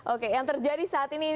oke yang terjadi saat ini